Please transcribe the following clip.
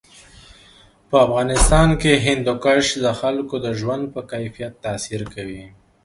په افغانستان کې هندوکش د خلکو د ژوند په کیفیت تاثیر کوي.